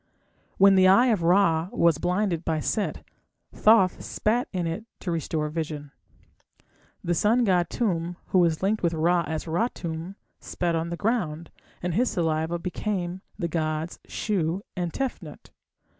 When the Eye of Ra was blinded by Set, Thoth spat in it to restore vision. The sun god Tum, who was linked with Ra as Ra Tum, spat on the ground, and his saliva became the gods Shu and Tefnut.